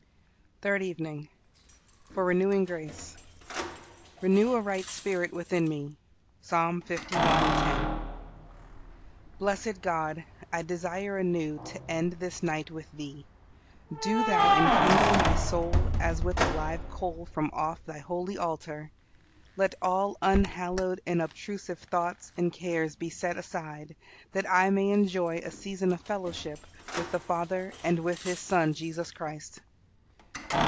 THIRD EVENING. FOR RENEWING GRACE. "Renew a right spirit within me." Psalm li. 10. Blessed God, I desire anew to end this night with Thee! Do Thou enkindle my soul as with a live coal from off Thy holy altar! Let all unhallowed and obtrusive thoughts and cares be set aside, that I may enjoy a season of fellowship with the Father and with His Son Jesus Christ.